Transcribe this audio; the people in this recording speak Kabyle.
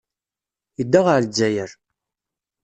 Yedda ɣer Lezzayer.